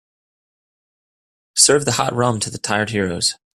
Serve the hot rum to the tired heroes.